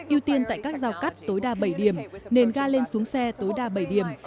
ưu tiên tại các giao cắt tối đa bảy điểm nền ga lên xuống xe tối đa bảy điểm